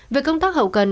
về công tác hậu cần